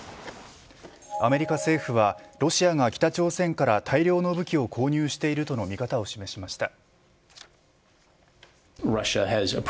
アメリカ政府はロシアが北朝鮮から大量の武器を購入しているとの見方を示しました。